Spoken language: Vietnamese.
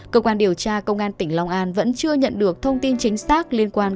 cơ quan điều tra công an tỉnh long an vẫn chưa nhận được thông tin chính xác liên quan